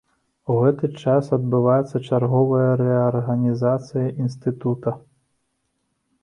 У гэты ж час адбываецца чарговая рэарганізацыя інстытута.